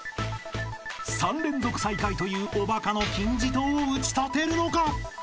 ［３連続最下位というおバカの金字塔を打ち立てるのか？］